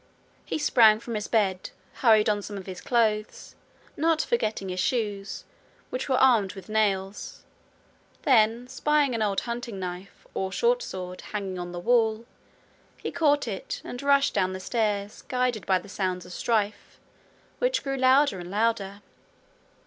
He sprang from his bed, hurried on some of his clothes, not forgetting his shoes, which were armed with nails; then spying an old hunting knife, or short sword, hanging on the wall, he caught it, and rushed down the stairs, guided by the sounds of strife, which grew louder and louder.